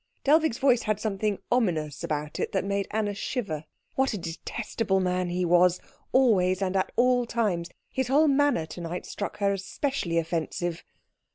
Dellwig's voice had something ominous about it that made Anna shiver. What a detestable man he was, always and at all times. His whole manner to night struck her as specially offensive.